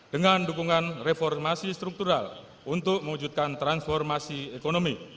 dengan dukungan reformasi struktural untuk mewujudkan transformasi ekonomi